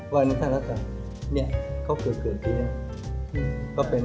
ว่านั้นท่านรับจับเขาเกิดทีนี้